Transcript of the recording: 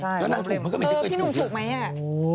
แล้วนางถูกมันก็ไม่เคยเคยถูกเลยพี่หนูถูกไหมอ่ะ